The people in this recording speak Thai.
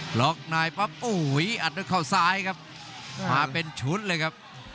หลอกนายปั๊บอุ้ยอัดเข้าซ้ายครับมาเป็นชุดเลยครับ